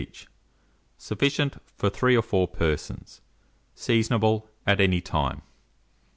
each. Sufficient for 3 or 4 persons. Seasonable at any time.